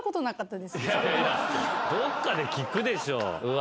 どっかで聞くでしょ。